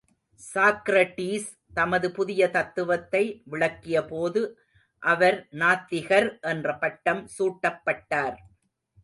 Socrates தமது புதிய தத்துவத்தை, விளக்கியபோது அவர் நாத்திகர் என்ற பட்டம் சூட்டப்பட்டார்.